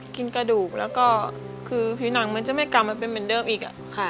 กระดูกแล้วก็คือผิวหนังมันจะไม่กลับมาเป็นเหมือนเดิมอีก